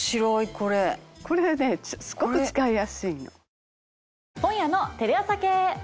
これねすごく使いやすいの。